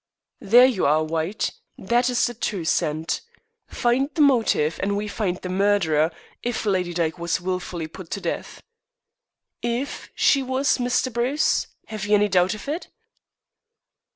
"There you are, White; that is the true scent. Find the motive and we find the murderer, if Lady Dyke was wilfully put to death." "If she was, Mr. Bruce? Have you any doubt about it?"